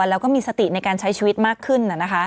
แล้วก็มีสติในการใช้ชีวิตมากขึ้น